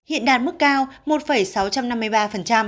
hiện đạt mức cao một sáu trăm năm mươi ba